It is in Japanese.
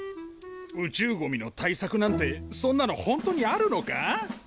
宇宙ゴミの対策なんてそんなの本当にあるのか？